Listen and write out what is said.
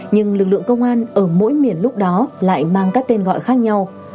nhưng lực lượng công an ở mỗi miền lúc đó lại mang các tên gọi khác nhau